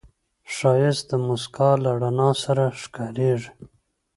ښایست د موسکا له رڼا سره ښکاریږي